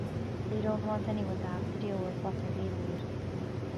They don't want anyone to have to deal with what they're dealing with.